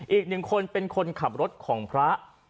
อีกหนึ่งคนเป็นคนขับรถของพระ